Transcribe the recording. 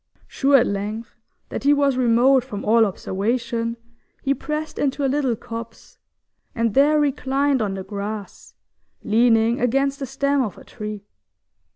Sure at length that he was remote from all observation, he pressed into a little copse, and there reclined on the grass, leaning against the stem of a tree.